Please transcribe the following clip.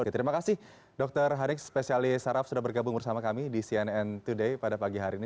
terima kasih dokter harik spesialis saraf sudah bergabung bersama kami di cnn today pada pagi hari ini